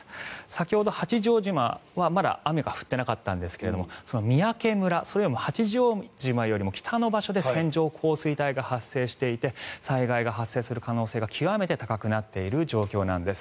先ほど八丈島はまだ雨が降っていなかったんですが三宅村、八丈島よりも北の場所で線状降水帯が発生していて災害が発生する可能性が極めて高くなっている状況なんです。